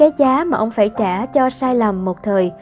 vậy nhưng cái giá mà ông phải trả cho sai lầm một thời